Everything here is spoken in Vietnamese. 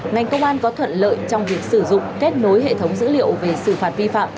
ngành công an có thuận lợi trong việc sử dụng kết nối hệ thống dữ liệu về xử phạt vi phạm